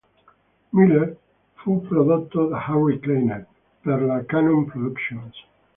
Miller, fu prodotto da Harry Kleiner per la Canon Productions.